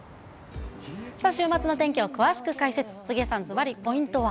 さあ、週末の天気を詳しく解説、杉江さん、ずばりポイントは。